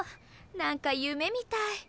何か夢みたい。